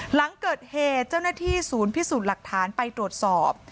หลังเกิดเหตุเจ้าหน้าที่ศูนย์พิสูจน์หลักฐานไปตรวจสอบ